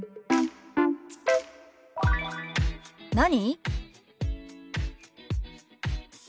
「何？」。